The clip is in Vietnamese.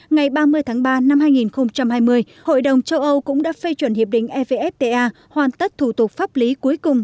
ngày ba mươi tháng ba năm hai nghìn hai mươi hội đồng châu âu cũng đã phê chuẩn hiệp định evfta hoàn tất thủ tục pháp lý cuối cùng